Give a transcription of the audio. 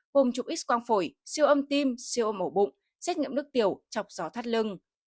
cùng chụp ít quang phổi siêu âm tim siêu âm ổ bụng xét nghiệm nước tiểu chọc gió thắt lưng